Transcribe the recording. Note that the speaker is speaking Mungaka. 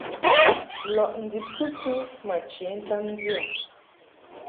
Lɔʼ ndib kɨsɨ ma che ntam ndio.